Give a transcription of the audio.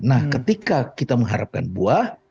nah ketika kita mengharapkan buah